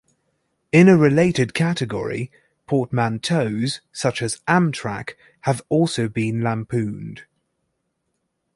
In a related category, portmanteaus, such as Amtrak, have also been lampooned.